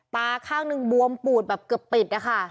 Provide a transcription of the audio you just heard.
ตาข้างนึงบวมปูดแบบเกือบปิด